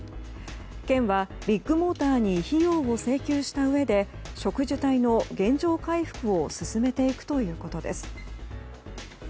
県はビッグモーターに費用を請求したうえで植樹帯の原状回復を進めていくということです。